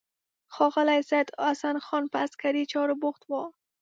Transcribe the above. ښاغلی سید حسن خان په عسکري چارو بوخت و.